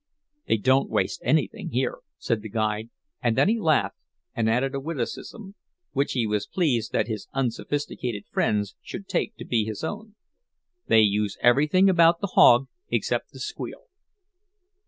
"They don't waste anything here," said the guide, and then he laughed and added a witticism, which he was pleased that his unsophisticated friends should take to be his own: "They use everything about the hog except the squeal."